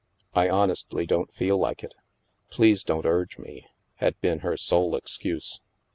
" I honestly don't feel like it. Please don't urge me," had been her sole excuse.